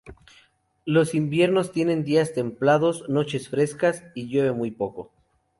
Los inviernos tienen días templados, noches frescas y llueve muy poco.